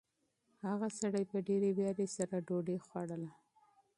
هغه سړي په ډېرې وېرې سره ډوډۍ خوړله.